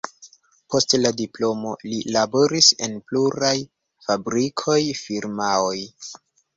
Post la diplomo li laboris en pluraj fabrikoj, firmaoj.